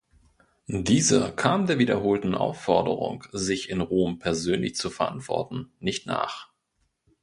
Dieser kam der wiederholten Aufforderung, sich in Rom persönlich zu verantworten, nicht nach.